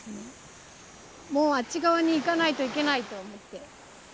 もうあっち側に行かないといけないと思って。